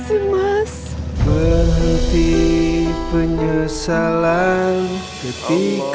assalamualaikum warahmatullahi wabarakatuh